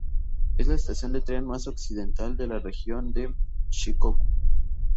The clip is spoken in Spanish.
Es la estación de tren más occidental de la Región de Shikoku.